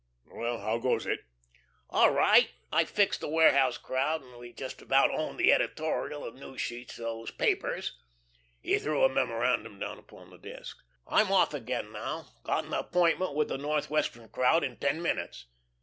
Well, how goes it?" "All right. I've fixed the warehouse crowd and we just about 'own' the editorial and news sheets of these papers." He threw a memorandum down upon the desk. "I'm off again now. Got an appointment with the Northwestern crowd in ten minutes.